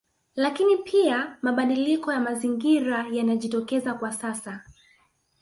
Lakini pia mabadiliko ya Mazingira yanayojitokeza kwa sasa